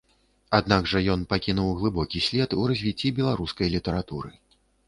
Аднак жа ён пакінуў глыбокі след у развіцці беларускай літаратуры.